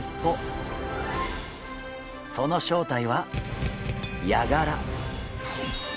その正体はヤガラ。